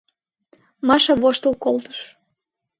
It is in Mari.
— Маша воштыл колтыш.